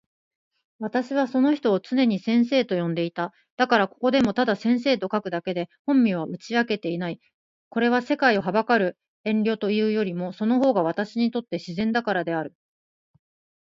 私はその人を常に先生と呼んでいた。だから、ここでもただ先生と書くだけで、本名は打ち明けない。これは、世界を憚る遠慮というよりも、その方が私にとって自然だからである。